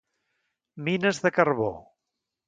Mines de carbó.